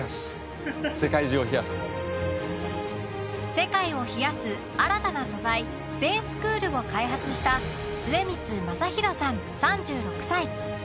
世界を冷やす新たな素材ＳＰＡＣＥＣＯＯＬを開発した末光真大さん３６歳。